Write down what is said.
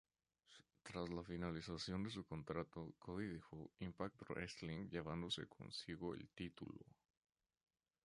Tras la finalización de su contrato, Cody dejo Impact Wrestling llevándose consigo el título.